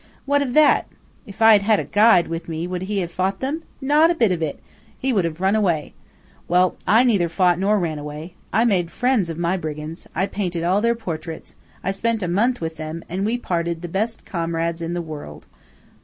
What of that? If I had had a guide with me, would he have fought them? Not a bit of it! He would have run away. Well, I neither fought nor ran away. I made friends of my brigands–I painted all their portraits–I spent a month with them; and we parted, the best comrades in the world.